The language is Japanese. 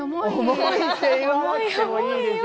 重いって言わなくてもいいでしょ。